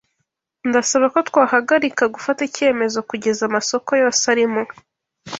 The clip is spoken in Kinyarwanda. Ndasaba ko twahagarika gufata icyemezo kugeza amasoko yose arimo.